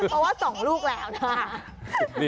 เพราะว่าสองลูกแล้วนะ